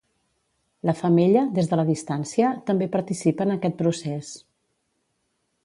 La femella, des de la distància, també participa en aquest procés.